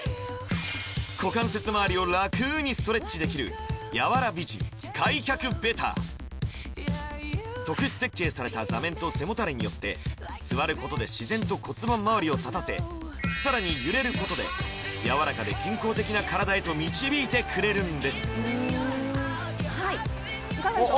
股関節まわりをラクにストレッチできる特殊設計された座面と背もたれによって座ることで自然と骨盤まわりを立たせさらに揺れることで柔らかで健康的な体へと導いてくれるんですいかがでしょう？